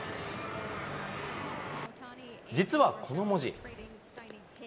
実はこの文字。